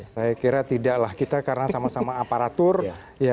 saya kira tidaklah kita karena sama sama aparatur